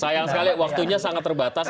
sayang sekali waktunya sangat terbatas